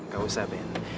gak usah ben